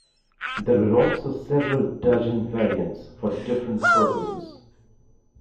There were also several dozen variants for different purposes.